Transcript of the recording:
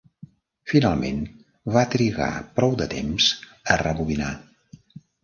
Finalment, va trigar prou de temps a rebobinar.